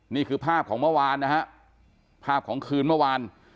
นี่คือภาพของเมื่อวานนะฮะภาพของคืนเมื่อวาน